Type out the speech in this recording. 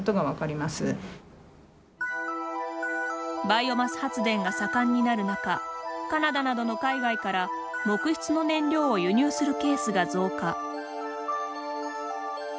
バイオマス発電が盛んになる中カナダなどの海外から木質の燃料を輸入するケースが増加。